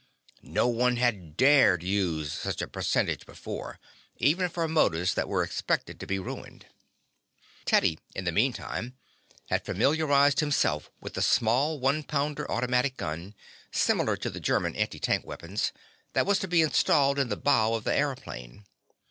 No one had dared use such a percentage before, even for motors that were expected to be ruined. Teddy, in the meantime, was familiarizing himself with the small one pounder automatic gun similar to the German antitank weapons that was to be installed in the bow of the aëroplane.